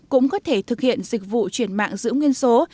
cũng có thể thực hiện dịch vụ chuyển mạng giữ nguyên số